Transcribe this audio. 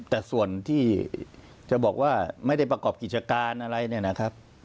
แต่ส่วนที่จะบอกว่าไม่ได้ประกอบกิจการอะไรเนี่ยนะครับ